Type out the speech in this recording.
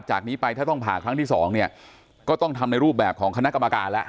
จากนี้ไปถ้าต้องผ่าครั้งที่สองเนี่ยก็ต้องทำในรูปแบบของคณะกรรมการแล้ว